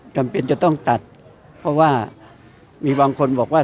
จำเป็นจะต้องตัดเพราะว่ามีบางคนบอกว่า